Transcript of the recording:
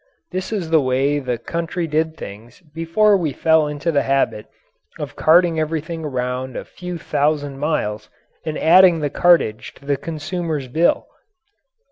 This is the way the country did things before we fell into the habit of carting everything around a few thousand miles and adding the cartage to the consumer's bill.